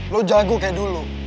lo jago kayak dulu